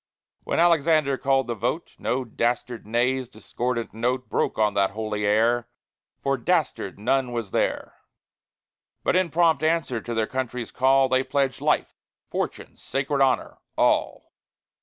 When Alexander called the vote, No dastard "nay's" discordant note Broke on that holy air For dastard none was there! But in prompt answer to their country's call, They pledged life, fortune, sacred honor all!